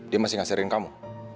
dia masih ngasirin kamu